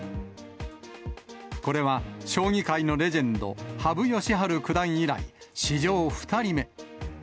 これは将棋界のレジェンド、羽生善治九段以来史上２人目。